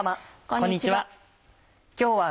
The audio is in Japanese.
こんにちは。